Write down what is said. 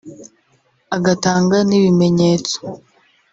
agatanga n’ibimenyetso